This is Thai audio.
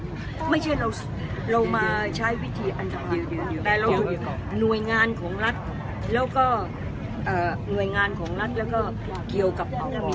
ก็ไม่ใช่เรามาใช้วิธีอันดับ